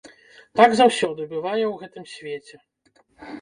Так заўсёды бывае ў гэтым свеце.